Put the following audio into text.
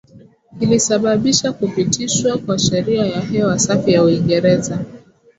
kilisababisha kupitishwa kwa Sheria ya Hewa Safi ya Uingereza